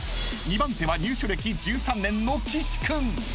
［２番手は入所歴１３年の岸君］